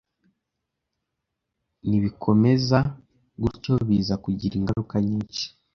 nibikomeza gutyo biza kugira ingaruka nyinshi,